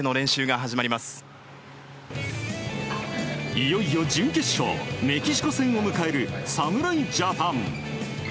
いよいよ準決勝メキシコ戦を迎える侍ジャパン。